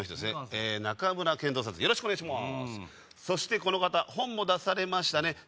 そしてこの方本も出されましたね